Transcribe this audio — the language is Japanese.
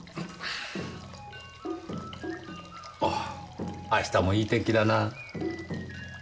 ああ明日もいい天気だな。